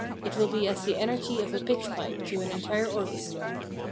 It will be as the energy of a pitch pipe to an entire orchestra.